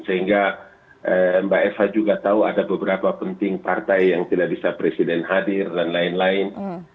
sehingga mbak eva juga tahu ada beberapa penting partai yang tidak bisa presiden hadir dan lain lain